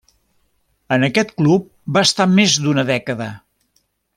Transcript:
En aquest club va estar més d'una dècada.